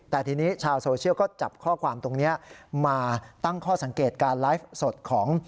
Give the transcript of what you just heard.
แต่ทีนี้ชาวโซเชียลก็จับข้อความตรงนี้มาตั้งข้อสังเกตการไลฟ์สดของ